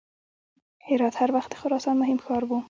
هرات هر وخت د خراسان مهم ښار و.